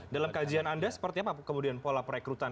dalam kajian anda seperti apa kemudian pola perekrutan